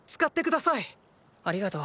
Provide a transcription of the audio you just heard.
ありがとう。